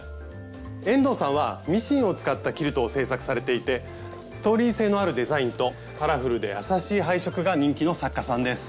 遠藤さんはミシンを使ったキルトを制作されていてストーリー性のあるデザインとカラフルで優しい配色が人気の作家さんです。